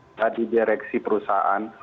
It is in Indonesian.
yang kalau kemudian satu orang di direksi perusahaan